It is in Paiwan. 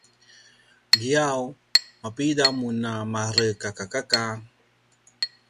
giyaw: mapida mun a marekakakaka?